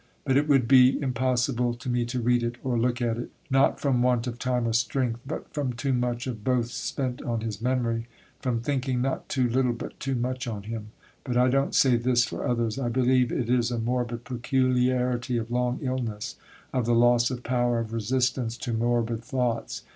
But it would be impossible to me to read it or look at it, not from want of time or strength, but from too much of both spent on his memory, from thinking, not too little, but too much on him. But I don't say this for others. I believe it is a morbid peculiarity of long illness, of the loss of power of resistance to morbid thoughts.